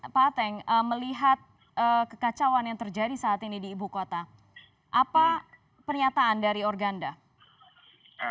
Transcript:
pak ateng melihat kekacauan yang terjadi saat ini di ibu kota apa pernyataan dari organda